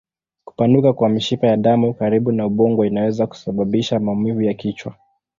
Kupanuka kwa mishipa ya damu karibu na ubongo inaweza kusababisha maumivu ya kichwa.